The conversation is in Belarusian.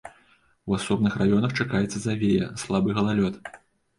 У асобных раёнах чакаецца завея, слабы галалёд.